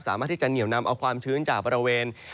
สามารถที่จะเหนียวนำเอาความชื้นจากบริเวณ